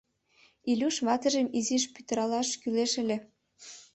Илюш ватыжым изиш пӱтыралаш кӱлеш ыле...